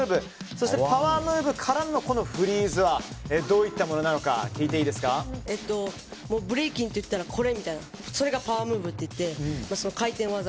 そしてパワームーブからのフリーズはどういったものなのかブレイキンといったらこれみたいなそれがパワームーブといって回転技。